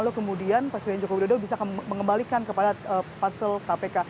lalu kemudian presiden joko widodo bisa mengembalikan kepada pansel kpk